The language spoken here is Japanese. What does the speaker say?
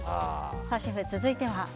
さあシェフ、続いては。